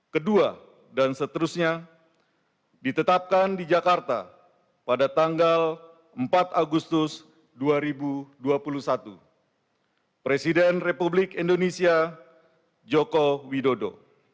kedua dan seterusnya ditetapkan di jakarta pada tanggal empat agustus dua ribu dua puluh satu presiden republik indonesia joko widodo